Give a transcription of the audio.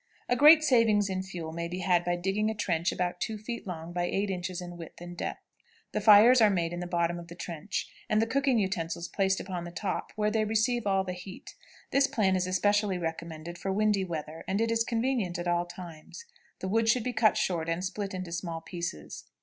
A great saving in fuel may be made by digging a trench about two feet long by eight inches in width and depth; the fires are made in the bottom of the trench, and the cooking utensils placed upon the top, where they receive all the heat. This plan is especially recommended for windy weather, and it is convenient at all times. The wood should be cut short, and split into small pieces.